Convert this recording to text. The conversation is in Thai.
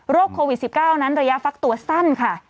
โควิด๑๙นั้นระยะฟักตัวสั้นค่ะ